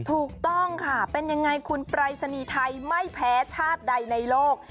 ถูกต้องค่ะเป็นยังไงคุณปรายศนีย์ไทยไม่แพ้ชาติใดในโลก